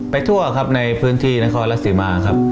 ทั่วครับในพื้นที่นครรัฐศรีมาครับ